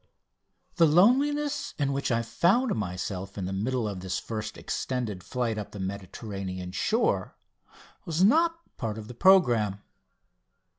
The loneliness in which I found myself in the middle of this first extended flight up the Mediterranean shore was not part of the programme.